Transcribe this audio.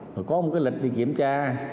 rồi có một cái lịch đi kiểm tra